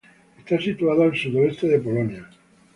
Está situada al sudoeste de Polonia.